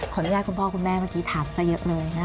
คุณพ่อคุณแม่เมื่อกี้ถามซะเยอะเลยนะคะ